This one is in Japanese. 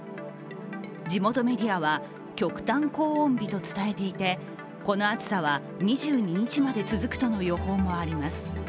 地元メディアは、極端高温日と伝えていて、この暑さは、２２日まで続くとの予報もあります。